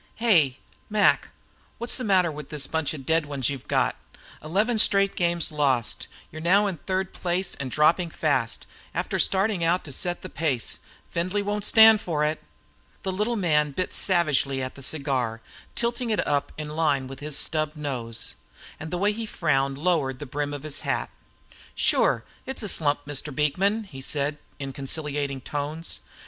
"Hey, Mac, what's the matter with this bunch of dead ones you've got? Eleven straight games lost! You're now in third place, and dropping fast, after starting out to set the pace. Findlay won't stand for it." The little man bit savagely at the cigar, tilting it up in line with his stub nose; and the way he frowned lowered the brim of his hat. "Shure, it's a slump, Mr. Beekman," he said, in conciliating tones.